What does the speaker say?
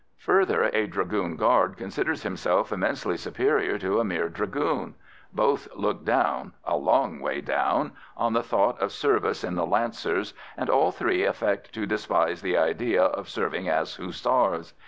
Further, a Dragoon Guard considers himself immensely superior to a mere Dragoon; both look down a long way down on the thought of service in the Lancers, and all three affect to despise the idea of serving as Hussars.